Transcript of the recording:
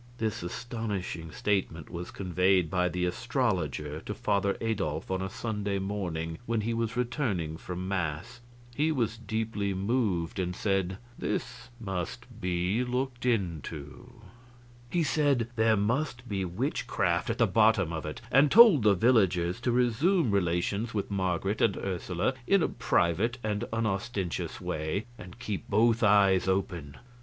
This astonishing statement was conveyed by the astrologer to Father Adolf on a Sunday morning when he was returning from mass. He was deeply moved, and said: "This must be looked into." He said there must be witchcraft at the bottom of it, and told the villagers to resume relations with Marget and Ursula in a private and unostentatious way, and keep both eyes open.